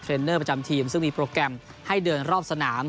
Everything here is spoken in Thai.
เนอร์ประจำทีมซึ่งมีโปรแกรมให้เดินรอบสนาม